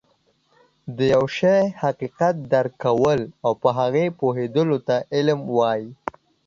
د يوه شي حقيقت درک کول او په هغه پوهيدلو ته علم وایي